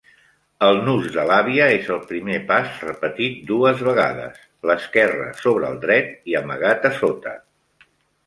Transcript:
El nus de l'àvia és el primer pas repetit dues vegades "l'esquerre sobre el dret i amagat a sota".